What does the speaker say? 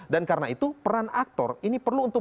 dan karena itu peran aktor ini peran yang penting